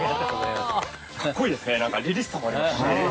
かっこいいですねりりしさもありますし。